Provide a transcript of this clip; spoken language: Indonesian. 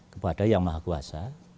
kepada yang maha kuasa